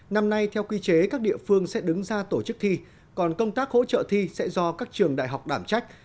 năm nay theo quy chế các địa phương sẽ đứng ra tổ chức thi còn công tác hỗ trợ thi sẽ do các trường đại học đảm trách